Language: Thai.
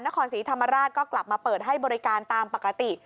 นครศรีธรรมราชก็กลับมาเปิดให้บริการตามปกติ